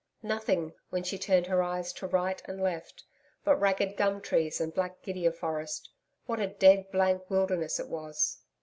Nothing, when she turned her eyes to right and left, but ragged gum trees and black gidia forest. What a dead blank wilderness it was!'